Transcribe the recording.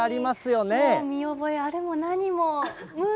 もう見覚えあるも何も。